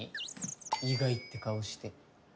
意外って顔して。